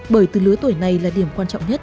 bởi từ lứa tuổi này là điểm quan trọng nhất